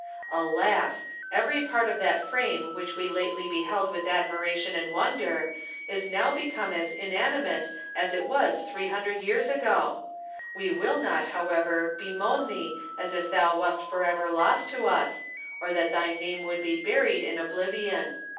Alas! Every part of that frame which we lately beheld with admiration and wonder is now become as inanimate as it was three hundred years ago! We will not, however, bemoan thee as if thou wast forever lost to us, or that thy name would be buried in oblivion.